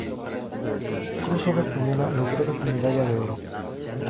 Cruz Roja Española le otorgó su Medalla de Oro.